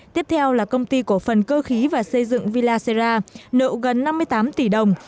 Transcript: tiếp theo là công ty cổ phần cơ khí và xây dựng villacera nợ gần năm mươi tám tỷ đồng